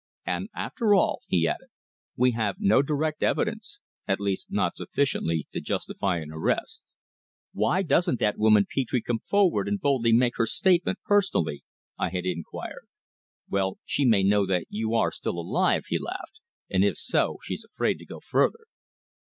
And after all," he added, "we have no direct evidence at least not sufficient to justify an arrest." "Why doesn't that woman Petre come forward and boldly make her statement personally?" I had queried. "Well, she may know that you are still alive" he laughed "and if so she's afraid to go further."